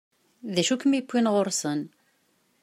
D acu i kem-yewwin ɣur-sen?